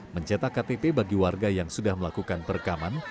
mencetak ktt bagi warga yang sudah melakukan perekaman